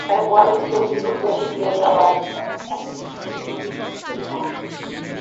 তাকে কোয়ালিস্ট তৈরির বিদ্যা শিখিয়ে দেয়া হবে।